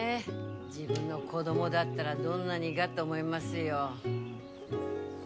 自分の子供だったらどんなにがって思いますよ。